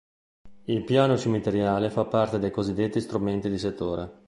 Il Piano Cimiteriale fa parte dei cosiddetti strumenti di settore.